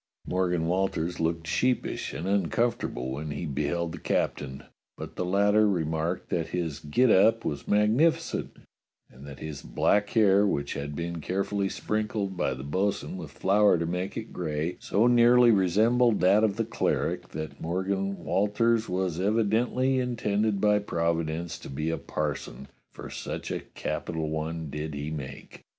Morgan Walters looked sheepish and uncomfortable when he beheld the captain, but the latter remarked that his get up" was magnificent, and that his black hair, which had been carefully sprinkled by the bo'sun 240 THE CAPTAIN'S EXPERIMENT 241 with flour to make it gray, so nearly resembled that of the cleric, that ^Morgan Walters was evidently in tended by Providence to be a parson, for such a capi tal one did he make.